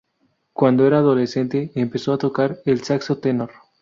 Cuándo era adolescente empezó a tocar el saxo tenor.